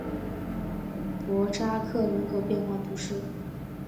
博扎克人口变化图示